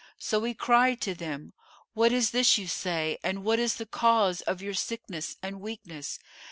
So we cried to them, 'What is this you say and what is the cause of your sickness and weakness?